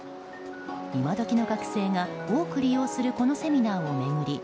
今時の学生が多く利用するこのセミナーを巡り